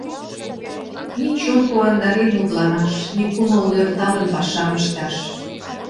Ни чон куандарен мутланаш, ни кумыл нӧлталтын пашам ышташ!..